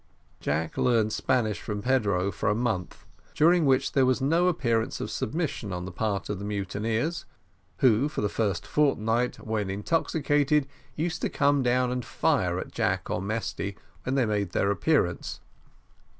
Jack learnt Spanish from Pedro for a month, during which there was no appearance of submission on the part of the mutineers, who, for the first fortnight, when intoxicated, used to come down and fire at Jack or Mesty, when they made their appearance.